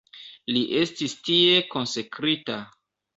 Li estis tie konsekrita.